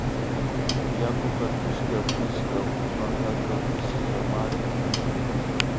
Yaku hatushka killka pankaka pishillamari